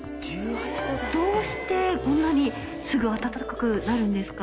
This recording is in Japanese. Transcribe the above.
どうしてこんなにすぐあたたかくなるんですか？